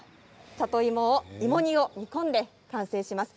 里芋芋煮を煮込んで完成します。